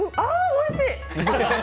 おいしい！